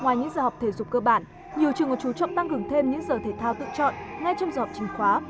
ngoài những giờ học thể dục cơ bản nhiều trường còn chú trọng tăng cường thêm những giờ thể thao tự chọn ngay trong giờ học chính khóa